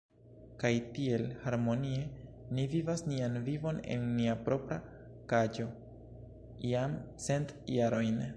Kaj tiel harmonie ni vivas nian vivon en nia propra kaĝo jam cent jarojn.